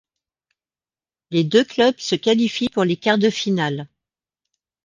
Les deux clubs se qualifient pour les quarts de finale.